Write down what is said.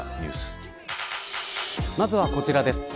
まずはこちらです。